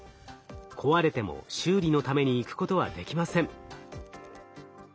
壊れても修理のために行くことはできません。